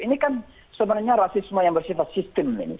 ini kan sebenarnya rasisme yang bersifat sistem ini